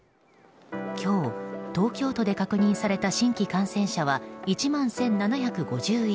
今日、東京都で確認された新規感染者は１万１７５１人。